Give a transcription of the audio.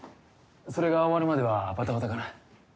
それが終わるまではばたばたかな。